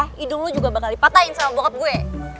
hidung lu juga bakal dipatahin sama bokap gue